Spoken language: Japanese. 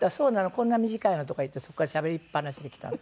こんな短いの」とか言ってそこからしゃべりっぱなしで来たの。